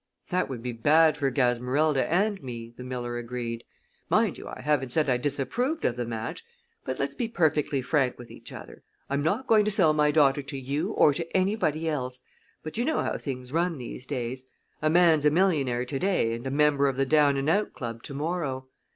"That would be bad for Gasmerilda and me," the miller agreed. "Mind you, I haven't said I disapproved of the match, but let's be perfectly frank with each other. I'm not going to sell my daughter to you or to anybody else, but you know how things run these days. A man's a millionaire to day and a member of the down and out club to morrow.